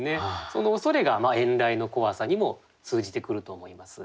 その恐れが遠雷の怖さにも通じてくると思います。